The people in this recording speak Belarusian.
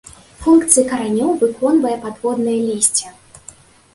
Функцыі каранёў выконвае падводнае лісце.